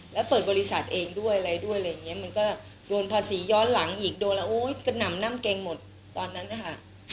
แล้วเปิดบริษัทเองด้วยอะไรด้วยอะไรอย่างนี้มันก็โดนภาษีย้อนหลังอีกโดนแล้วโอ๊ยกระหน่ำน่ำเกงหมดตอนนั้นนะคะ